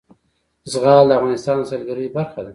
زغال د افغانستان د سیلګرۍ برخه ده.